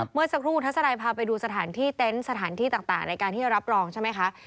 เมื่อสักครู่คุณทัศนัยพาไปดูสถานที่เต็นต์สถานที่ต่างในการที่จะรับรองใช่ไหมคะ